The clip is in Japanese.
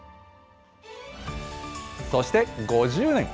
そして５０年。